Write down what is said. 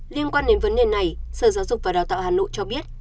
liên quan đến vấn đề này sở giáo dục và đào tạo hà nội cho biết